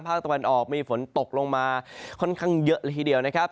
ภาคตะวันออกมีฝนตกลงมาค่อนข้างเยอะเลยทีเดียวนะครับ